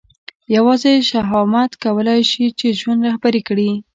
یوازې شهامت کولای شي چې ژوند رهبري کړي.